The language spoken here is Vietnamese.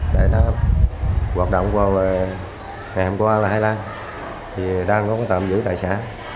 để nó hoạt động vào ngày hôm qua là hai lần thì đang có tạm giữ tại xã